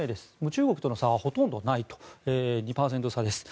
中国との差はほとんどないと２％差です。